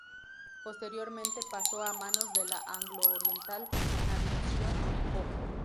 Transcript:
Posteriormente pasó a manos de la Anglo-Oriental Navigation Co.